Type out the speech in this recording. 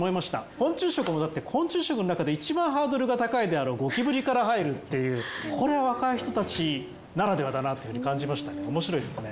昆虫食もだって昆虫食の中でいちばんハードルが高いであろうゴキブリから入るっていうこれ若い人たちならではだなっていうふうに感じましたおもしろいですね。